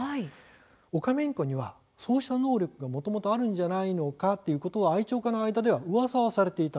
オカメインコにはそうした能力がもともとあるのではないかということは、愛鳥家の間ではうわさされていました。